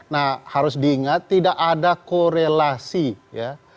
nah harus diingat tidak ada korelasi ya